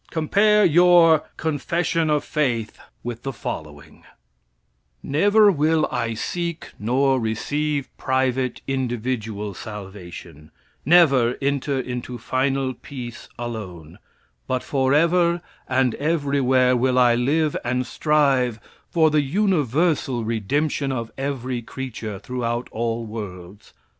Compare your "Confession of Faith" with the following: "Never will I seek nor receive private individual salvation never enter into final peace alone; but forever and everywhere will I live and strive for the universal redemption of every creature throughout all worlds.